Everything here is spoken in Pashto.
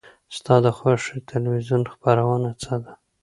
ستا د خوښې تلویزیون خپرونه څه ده؟